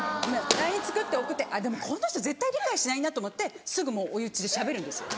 ＬＩＮＥ作って送ってでもこの人絶対理解しないなと思ってすぐもう追い打ちでしゃべるんですよ。